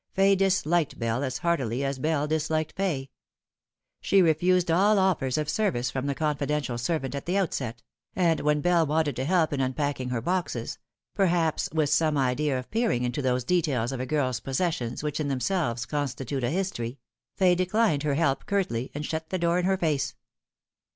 Fay disliked Bell as heartily as Bell disliked Fay. She refused all offers of service from the confidential servant at the outset, and wheii Bell wanted to help in unpacking her boxes perhaps With some idea of peering into those details of a girl's posses sions which in themselves constitute a history Fay declined her help curtly, and shut the door in her face.